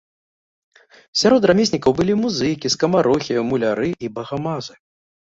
Сярод рамеснікаў былі музыкі, скамарохі, муляры і багамазы.